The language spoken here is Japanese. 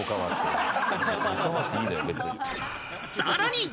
さらに。